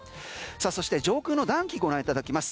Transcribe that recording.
そして上空の暖気ご覧いただきます。